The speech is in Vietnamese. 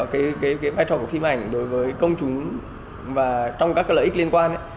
cái vai trò của phim ảnh đối với công chúng và trong các lợi ích liên quan